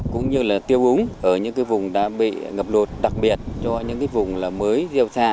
cũng như là tiêu úng ở những vùng đã bị ngập lụt đặc biệt cho những cái vùng mới gieo xạ